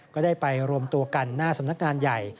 ก็ได้ไปรวมตัวกันหน้าสำนักงานใหญ่